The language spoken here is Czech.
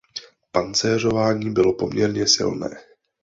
Pancéřování bylo poměrně silné.